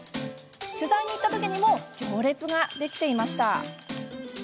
取材に行った時にも行列ができていました。